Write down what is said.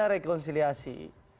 kalau kita rekonsiliasi